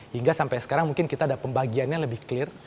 hingga sampai sekarang mungkin kita ada pembagiannya lebih clear